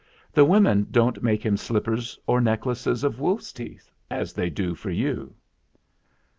The women don't make him slippers or necklaces of wolf's teeth, as they do for you."